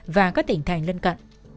và các tỉnh thành lân cận